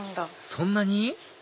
そんなに？